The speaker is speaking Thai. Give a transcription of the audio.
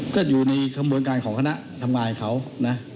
ก็อยู่ในขบวนการของคณะทำงานเขานะ